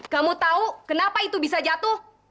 kamu tahu kenapa itu bisa jatuh